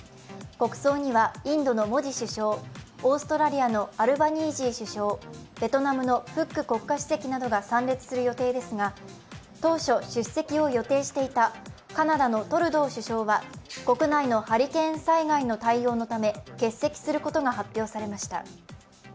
国葬にはインドのモディ首相、オーストラリアのアルバニージー首相、ベトナムのフック国家主席などが参列する予定ですが当初、出席を予定していたカナダのトルドー首相は国内のハリケーン災害の対応のため欠席することが発表されました。